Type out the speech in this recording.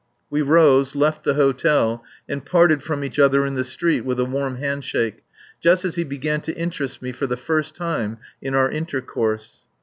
We rose, left the hotel, and parted from each other in the street with a warm handshake, just as he began to interest me for the first time in our intercourse.